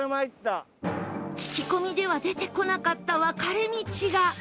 聞き込みでは出てこなかった分かれ道が